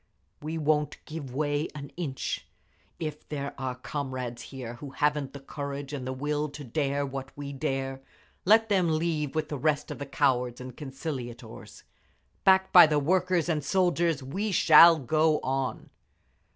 We won't give way an inch. If there are comrades here who haven't the courage and the will to dare what we dare, let them leave with the rest of the cowards and conciliators! Backed by the workers and soldiers we shall go on."